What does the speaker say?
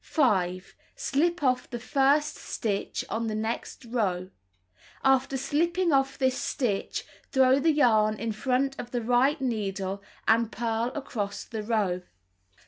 5. Slip off the first stitch on the next row. After slipping off this stitch, throw the yarn in front of the right needle and purl across the row.